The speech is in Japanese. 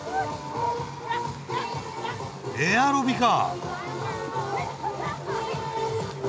エアロビか。